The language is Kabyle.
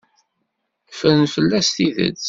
Ffren fell-as tidet.